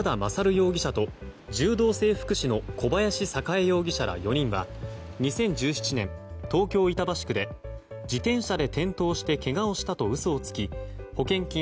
容疑者と柔道整復師の小林栄容疑者ら４人は２０１７年、東京・板橋区で自転車で転倒してけがをしたと嘘をつき保険金